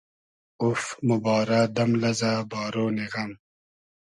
اوف! موبارۂ دئم لئزۂ بارۉنی غئم